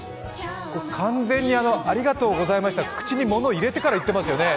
完全に、ありがとうございましたって口に物を入れてから言ってますよね。